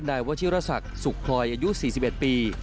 นายวชิรภรรษักษ์สุขลอยอายุ๔๑ปี